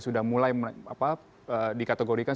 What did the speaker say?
sudah mulai dikategorikan